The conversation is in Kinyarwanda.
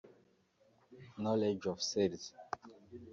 Knowledge of sales